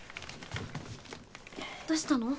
どうしたの？